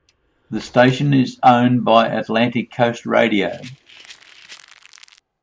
The station is owned by Atlantic Coast Radio.